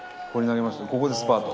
ここでスパート。